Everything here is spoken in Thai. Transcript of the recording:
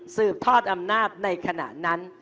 สืบทอดอำนาจในขณะนั้น